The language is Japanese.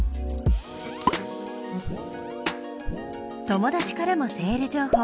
友達からもセール情報。